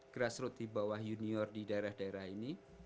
grassroot di bawah junior di daerah daerah ini